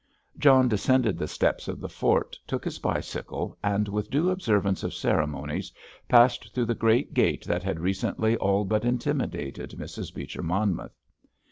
John descended the steps of the fort, took his bicycle, and, with due observance of ceremonies, passed through the great gate that had recently all but intimidated Mrs. Beecher Monmouth.